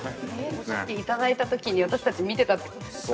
◆さっきいただいたときに、私たち見てたということですね。